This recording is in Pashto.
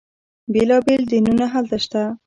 بیلا بیل دینونه هلته شته.